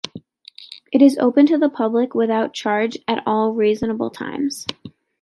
It is open to the public without charge at all reasonable times.